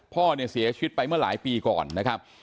พ่อเนี่ยเสียชีวิตไปเมื่อหลายปีก่อนนะครับ